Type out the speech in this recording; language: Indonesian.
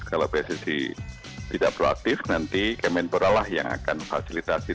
kalau pssi tidak proaktif nanti kemenpora lah yang akan fasilitasi